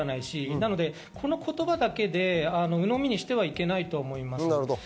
なのでこの言葉だけでうのみにしてはいけないと思います。